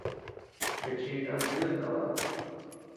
Kachika ama tiudi no baʼa.